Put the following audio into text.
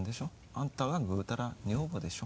あんたはぐうたら女房でしょ。